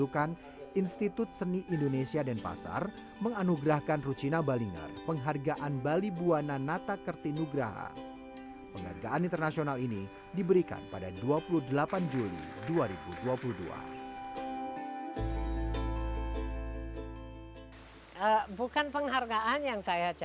ke teknologi tersebut